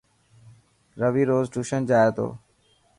روي روز ٽيوشن جائي ٿو.